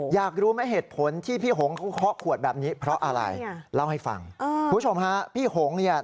อยากรู้มั้ยเหตุผลที่พี่หงเคาะขวดแบบนี้เพราะอะไร